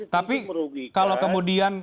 tapi kalau kemudian